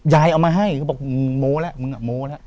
เอามาให้เขาบอกมึงโม้แล้วมึงอ่ะโม้แล้ว